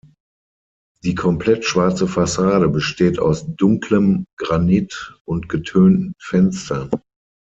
Die komplett schwarze Fassade besteht aus dunklem Granit und getönten Fenstern.